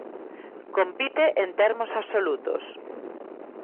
Compite en termos absolutos.